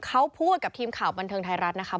เขาพูดกับทีมข่าวบันเทิงไทยรัฐนะคะ